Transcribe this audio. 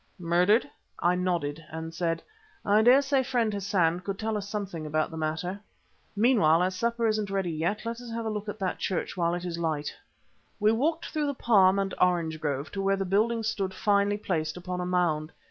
"Murdered?" I nodded and said, "I dare say friend Hassan could tell us something about the matter. Meanwhile as supper isn't ready yet, let us have a look at that church while it is light." We walked through the palm and orange grove to where the building stood finely placed upon a mound.